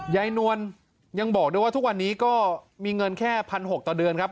นวลยังบอกด้วยว่าทุกวันนี้ก็มีเงินแค่๑๖๐๐ต่อเดือนครับ